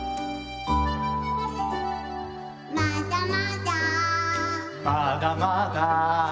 「まだまだ」まだまだ。